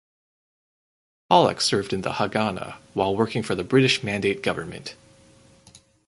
Pollack served in the Hagana while working for the British Mandate government.